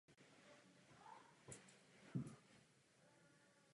Pro tento návrhový průtok pak provedeme konečný návrh rozměrů vývaru.